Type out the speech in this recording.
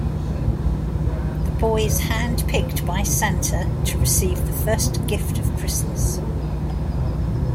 The boy is handpicked by Santa to receive the first gift of Christmas.